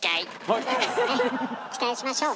え⁉期待しましょう。